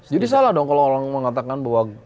jadi salah dong kalau orang mengatakan bahwa